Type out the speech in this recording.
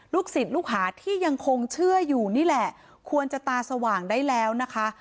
ศิษย์ลูกหาที่ยังคงเชื่ออยู่นี่แหละควรจะตาสว่างได้แล้วนะคะ